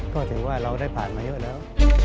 ก็เฉพาะเราได้ผ่านมาเยอะแล้ว